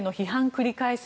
繰り返す